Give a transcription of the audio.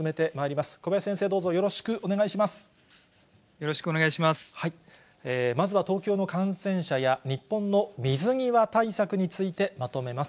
まずは東京の感染者や日本の水際対策についてまとめます。